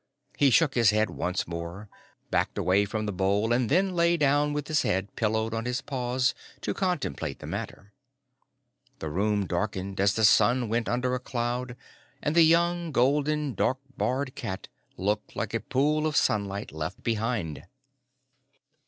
He shook his head once more, backed away from the bowl, and then lay down with his head pillowed on his paws to contemplate the matter. The room darkened as the sun went under a cloud and the young golden dark barred cat looked like a pool of sunlight left behind.